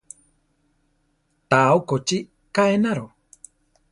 Tá okochi ká enaro.